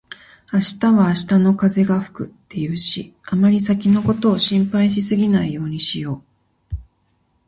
「明日は明日の風が吹く」って言うし、あまり先のことを心配しすぎないようにしよう。